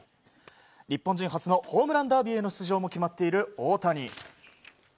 日本人初のホームランダービーへの出場も決まっている大谷。